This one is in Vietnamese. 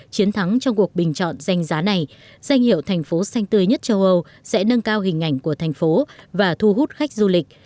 chiến thắng trong cuộc bình chọn danh giá này danh hiệu thành phố xanh tươi nhất châu âu sẽ nâng cao hình ảnh của thành phố và thu hút khách du lịch